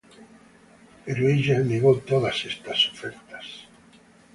Pero ella negó todas estas ofertas.